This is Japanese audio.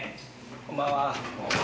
こんばんは。